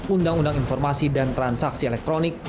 undang undang informasi dan transaksi elektronik